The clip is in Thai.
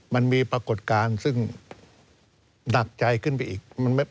มันมีปรากฏการณ์ซึ่งหนักใจขึ้นไปอีก